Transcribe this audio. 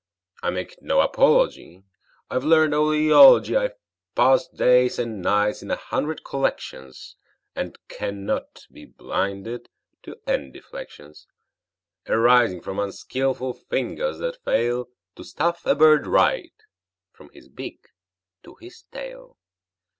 I make no apology; I've learned owl eology. I've passed days and nights in a hundred collections, And cannot be blinded to any deflections Arising from unskilful fingers that fail To stuff a bird right, from his beak to his tail.